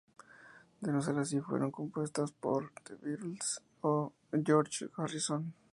De no ser así, fueron compuestas por The Beatles o George Harrison.